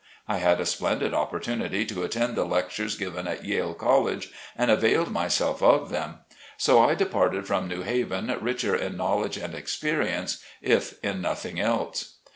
I had a splendid opportunity to attend the lectures given at Yale College, and availed myself of them. So I departed from New Haven richer in knowledge and experience, if in nothing else.